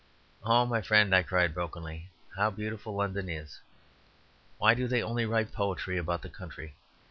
"Oh, my friend," I cried brokenly, "how beautiful London is! Why do they only write poetry about the country?